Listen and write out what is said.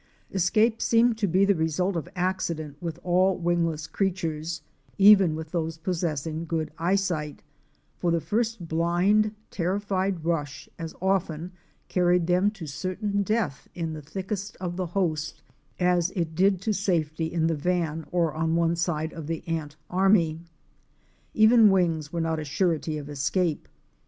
Escape seemed to be the result of accident with all wingless creatures, even with those possessing good eyesight, for the first blind terrified rush as often carried them to certain death in the thickest of the host as it did to safety in the van or on one side of the ant army. Even wings were not a surety of escape.